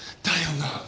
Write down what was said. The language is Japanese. だよな？